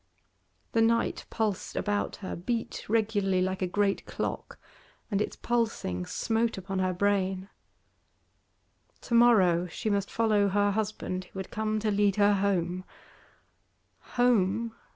The night pulsed about her, beat regularly like a great clock, and its pulsing smote upon her brain. To morrow she must follow her husband, who would come to lead her home. Home?